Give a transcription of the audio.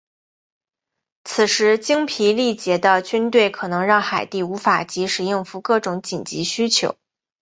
此外精疲力竭的军队可能让海地无法即时应付各种紧急需求。